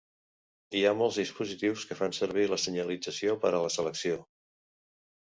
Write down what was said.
Hi ha molts dispositius que fan servir la senyalització per a la selecció.